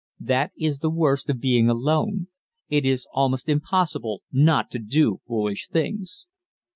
That is the worst of being alone; it is almost impossible not to do foolish things.